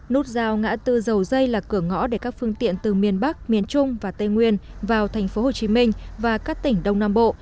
nút giao ngã tư dầu dây là cửa ngõ để các phương tiện từ miền bắc miền trung và tây nguyên vào thành phố hồ chí minh và các tỉnh đông nam bộ